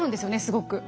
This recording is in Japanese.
すごく。